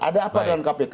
ada apa dengan kpk